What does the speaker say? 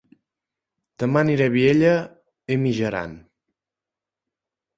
Dema aniré a Vielha e Mijaran